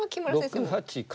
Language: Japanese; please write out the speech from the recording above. ６八角。